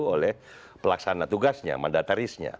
oleh pelaksana tugasnya mandatarisnya